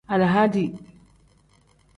Alahadi.